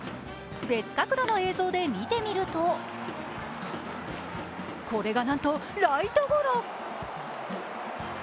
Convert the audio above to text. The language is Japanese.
別角度の映像で見てみると、これがなんと、ライトゴロ。